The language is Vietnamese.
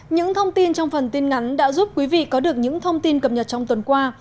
những thông tin trong phần tin ngắn đã giúp quý vị có được những thông tin cập nhật trong tuần qua